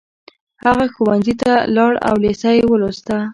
هغه ښوونځي ته لاړ او لېسه يې ولوسته.